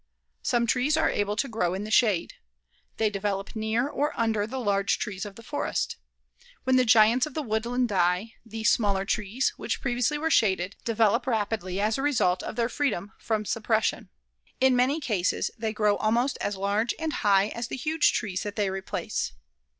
Some trees are able to grow in the shade. They develop near or under the large trees of the forest. When the giants of the woodland die, these smaller trees, which previously were shaded, develop rapidly as a result of their freedom from suppression. In many cases they grow almost as large and high as the huge trees that they replace.